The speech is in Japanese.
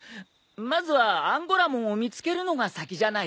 まずはアンゴラモンを見つけるのが先じゃないかな。